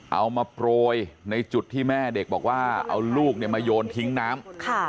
เอามาโปรยในจุดที่แม่เด็กบอกว่าเอาลูกมาโยนทิ้งน้ำ